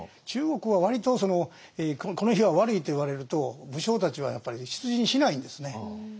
中国は割とその「この日は悪い」と言われると武将たちはやっぱり出陣しないんですね。